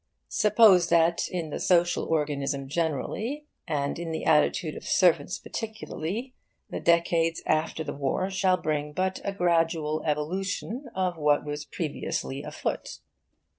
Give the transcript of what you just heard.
Suppose that in the social organism generally, and in the attitude of servants particularly, the decades after the War shall bring but a gradual evolution of what was previously afoot.